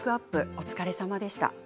お疲れさまでした。